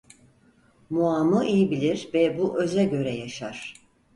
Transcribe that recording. Muğam'ı iyi bilir ve bu öze göre yaşar.